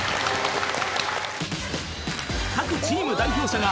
［各チーム代表者が］